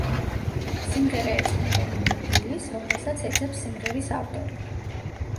სიმღერა ეძღვნება ვინმე ბილის, რომელსაც ეძებს სიმღერის ავტორი.